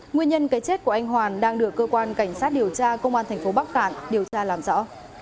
nguyên nhân cái chết của anh hoàn đang được cơ quan cảnh sát điều tra công an tp bắc cạn điều tra làm rõ